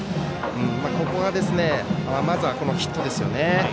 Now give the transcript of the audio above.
ここはまずはヒットですよね。